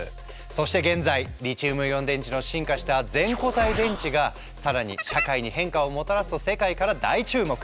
そして現在リチウムイオン電池の進化した「全固体電池」が更に社会に変化をもたらすと世界から大注目！